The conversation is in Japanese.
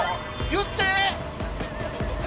言って！